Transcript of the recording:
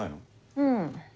うん。